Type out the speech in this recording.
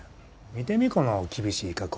見てみこの厳しい加工。